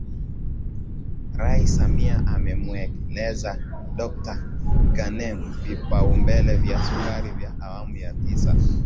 Rais Samia amemueleza Dokta Ghanem vipaumbele vya Serikali ya awamu ya sita